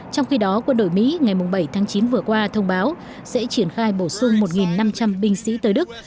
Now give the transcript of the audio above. trong khi đó quân đội mỹ ngày bảy tháng chín vừa qua thông báo sẽ triển khai bổ sung một năm trăm linh binh sĩ tới đức